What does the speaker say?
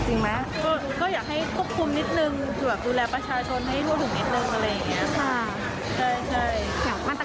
จริงแล้วคืออยากจะให้ควบคุมราคา